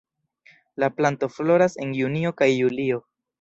La planto floras en junio kaj julio.